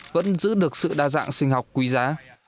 vẫn giữ được sự đa dạng sinh học quý giá